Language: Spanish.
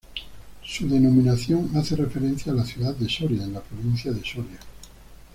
Su denominación hace referencia a la ciudad de Soria, en la provincia de Soria.